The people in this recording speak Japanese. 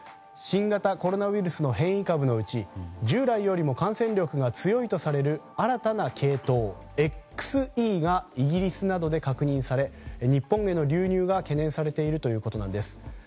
新型コロナウイルスの変異株のうち従来よりも感染力が強いとされる新たな系統、ＸＥがイギリスなどで確認され日本への流入が懸念されているということです。